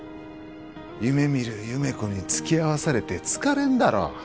夢みる優芽子に付き合わされて疲れんだろ